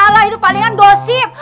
alah itu palingan gosip